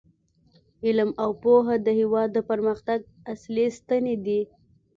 علم او پوهه د هیواد د پرمختګ اصلي ستنې دي.